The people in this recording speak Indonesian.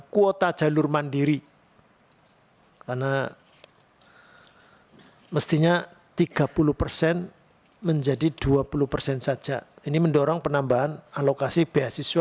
kuota jalur mandiri karena mestinya tiga puluh persen menjadi dua puluh persen saja ini mendorong penambahan alokasi beasiswa